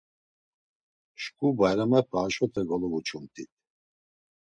Şǩu bayramepe haşote golovuçumt̆it.